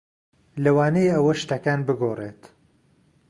لەوانەیە ئەوە شتەکان بگۆڕێت.